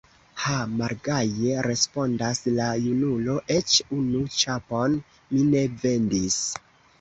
Ha, malgaje respondas la junulo, eĉ unu ĉapon mi ne vendis!